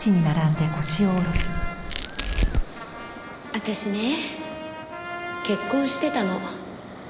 私ね結婚してたの。